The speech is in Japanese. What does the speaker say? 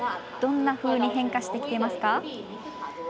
どんなふうに変化してきていますか？